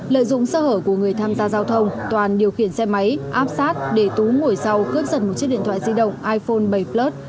lợi dụng sơ hở của người tham gia giao thông toàn điều khiển xe máy áp sát để tú ngồi sau cướp dần một chiếc điện thoại di động iphone bảy plus